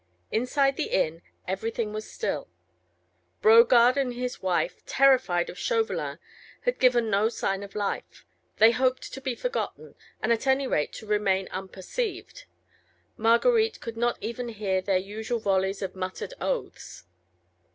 Inside the inn, everything was still. Brogard and his wife, terrified of Chauvelin, had given no sign of life; they hoped to be forgotten, and at any rate to remain unperceived: Marguerite could not even hear their usual volleys of muttered oaths.